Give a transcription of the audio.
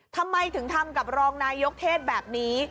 ทำไมถึงทำกับรองนายกเทศแบบนี้